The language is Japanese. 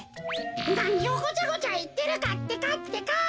なにをごちゃごちゃいってるかってかってか。